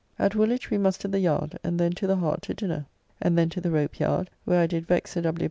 At Woolwich we mustered the yard, and then to the Hart to dinner, and then to the Rope yard, where I did vex Sir W.